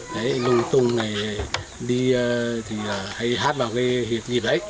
lùng tung này đi thì hay hát vào cái dịp đấy